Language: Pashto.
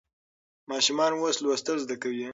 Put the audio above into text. ماشومان اوس لوستل زده کوي.